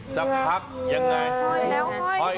สักพักยังไง